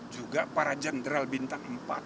juga para jenderal bintang empat